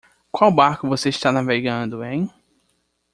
Qual barco você está navegando em?